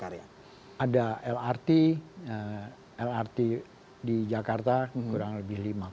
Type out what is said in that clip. ada lrt lrt di jakarta kurang lebih lima puluh